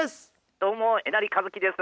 どうもえなりかずきです。